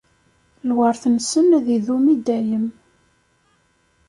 Lweṛt-nsen ad idum i dayem.